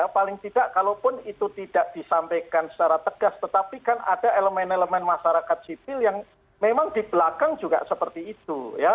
paling tidak kalaupun itu tidak disampaikan secara tegas tetapi kan ada elemen elemen masyarakat sipil yang memang di belakang juga seperti itu